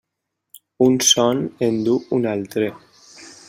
Un son en du un altre.